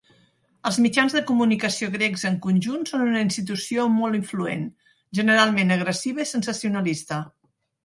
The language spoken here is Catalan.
Els mitjans de comunicació grecs, en conjunt, són una institució molt influent, generalment agressiva i sensacionalista.